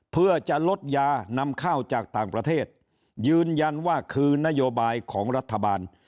เพื่อจะลดยานำข้าวจากต่างประเทศยืนยันว่าคือนโยบายของรัฐบาล